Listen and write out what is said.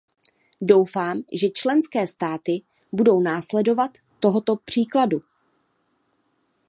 Doufám, že členské státy budou následovat tohoto příkladu.